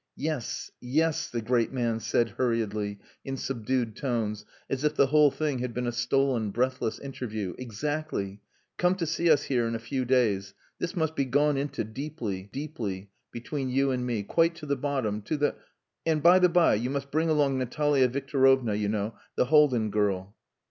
"Yes, yes," the great man said hurriedly, in subdued tones, as if the whole thing had been a stolen, breathless interview. "Exactly. Come to see us here in a few days. This must be gone into deeply deeply, between you and me. Quite to the bottom. To the...And, by the by, you must bring along Natalia Victorovna you know, the Haldin girl....